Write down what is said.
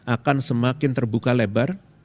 akan semakin terbuka lebar